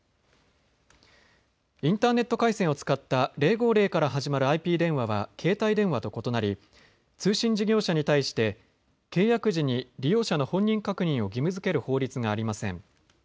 インターネット回線を使った０５０から始まるＩＰ電話は携帯電話と異なり、通信事業者に対して契約時に利用者の本人確認を義務づける法律がありません。